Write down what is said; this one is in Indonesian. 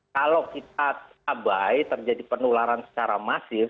kalau kita abai terjadi penularan secara masif